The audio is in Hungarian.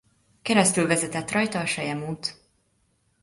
Keresztül vezetett rajta a Selyemút.